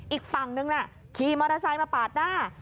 อีกฝั่งนึงน่ะขี่มอเตอร์ไซค์มาปาดหน้า